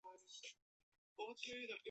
并在国外订购了大门门锁。